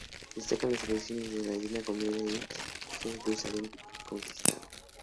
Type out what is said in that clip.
Destacan sus traducciones de "La divina comedia" y de "Jerusalem conquistada".